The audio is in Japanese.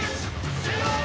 終了！